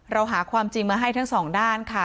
เราหาความจริงมาให้ทั้งสองด้านค่ะ